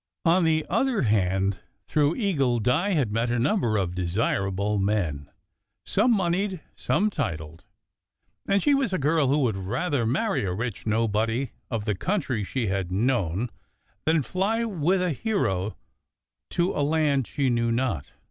On the other hand, through Eagle, Di had met a number of desirable men, some moneyed, some titled; and she was a girl who would rather marry a rich nobody of the country she had known, than fly with a hero to a land she knew not.